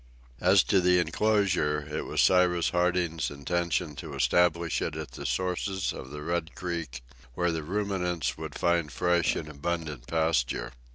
As to the enclosure, it was Cyrus Harding's intention to establish it at the sources of the Red Creek, where the ruminants would find fresh and abundant pasture.